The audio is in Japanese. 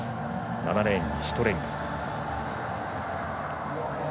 ７レーンのシュトレング。